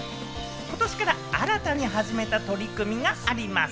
今年から新たに始めた取り組みがあります。